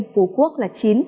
phú quốc là chín